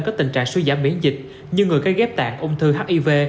có tình trạng suy giảm miễn dịch như người gây ghép tạng ung thư hiv